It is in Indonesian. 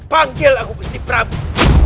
panggil aku isti prabu